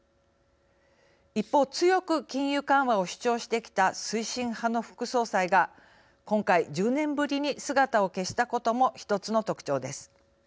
一方、強く金融緩和を主張してきた推進派の副総裁が今回１０年ぶりに姿を消したことも１つの特徴です。